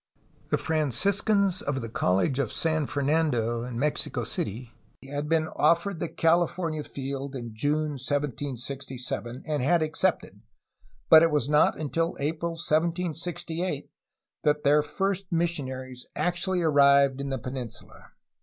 The Franciscans of the College of San Fernando, ^ Mexico City, had been offered the California field in June 1767, and had accepted, but it was not until April 1768 that their first missionaries actually arrived in the peninsula.